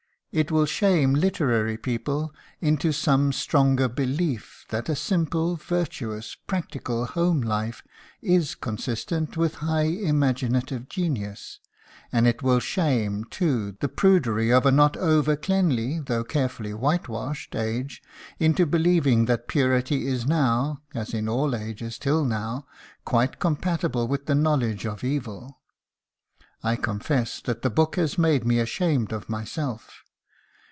It will shame literary people into some stronger belief that a simple, virtuous, practical home life is consistent with high imaginative genius; and it will shame, too, the prudery of a not over cleanly, though carefully whitewashed, age, into believing that purity is now (as in all ages till now) quite compatible with the knowledge of evil. I confess that the book has made me ashamed of myself.